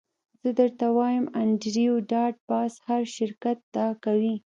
زه درته وایم انډریو ډاټ باس هر شرکت دا کوي